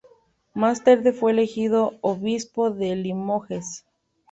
Más tarde fue elegido obispo de Limoges.